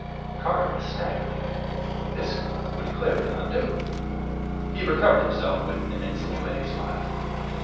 Carter was staggered; this would clearly not do! He recovered himself with an insinuating smile.